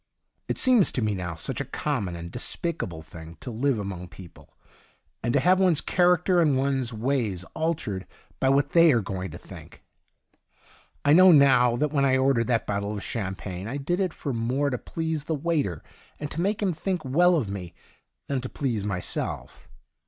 It seems to me now such a common and despicable thing to live among people, and to have one's character and one's ways altered by what they are going to think. I know 16 THE DIARY OF A GOD now that when I ordered that bottle of champagne I did it far more to please the waiter and to make him think well of me than to please myself.